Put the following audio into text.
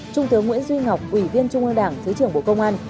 trung tướng nguyễn duy ngọc ủy viên trung ương đảng thứ trưởng bộ công an